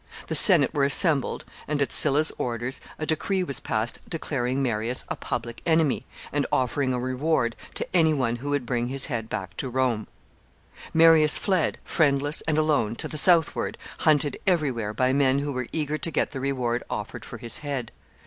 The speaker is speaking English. The Senate were assembled, and, at Sylla's orders, a decree was passed declaring Marius a public enemy, and offering a reward to any one who would bring his head back to Rome. [Sidenote: His flight.] Marius fled, friendless and alone, to the southward, hunted every where by men who were eager to get the reward offered for his head.